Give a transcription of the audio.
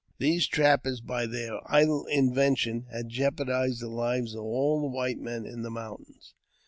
These trappers, by their idle inventio had jeopardized the lives of all the white men in the mou tains.